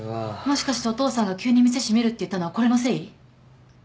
もしかしてお父さんが急に店閉めるって言ったのはこれのせい？